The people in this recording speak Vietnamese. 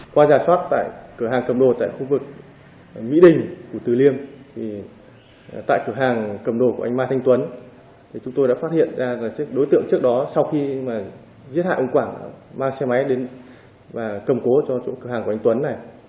qua giả soát tại cửa hàng cầm đồ tại khu vực mỹ đình của từ liêm tại cửa hàng cầm đồ của anh mai thanh tuấn chúng tôi đã phát hiện ra là chiếc đối tượng trước đó sau khi giết hại ông quảng mang xe máy đến và cầm cố cho chỗ cửa hàng của anh tuấn này